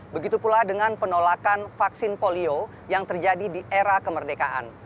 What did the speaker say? begitu pula dengan penolakan vaksin polio yang terjadi di era kemerdekaan